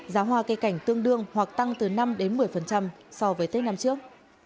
giá hoa cây cảnh tương đương hoặc tăng từ năm một mươi so với tết năm trước